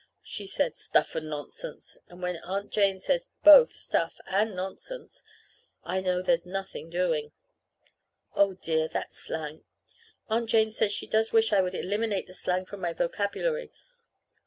She said, "Stuff and nonsense" and when Aunt Jane says both stuff and nonsense I know there's nothing doing. (Oh, dear, that's slang! Aunt Jane says she does wish I would eliminate the slang from my vocabulary.